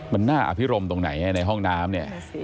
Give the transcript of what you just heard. มันน่าอภิรมตรงไหนในห้องน้ำเนี่ย